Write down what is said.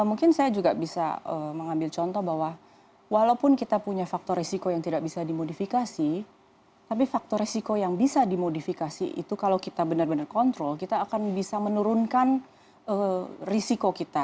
mungkin saya juga bisa mengambil contoh bahwa walaupun kita punya faktor risiko yang tidak bisa dimodifikasi tapi faktor resiko yang bisa dimodifikasi itu kalau kita benar benar kontrol kita akan bisa menurunkan risiko kita